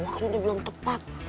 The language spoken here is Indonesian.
waktu udah belum tepat